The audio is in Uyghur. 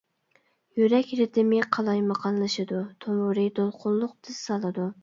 يۈرەك رىتىمى قالايمىقانلىشىدۇ، تومۇرى دولقۇنلۇق، تىز سالىدۇ.